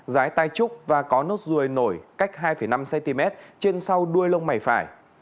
dái tai trúc và có nốt ruồi nổi cách hai năm cm trên sau đuôi lông mảy phải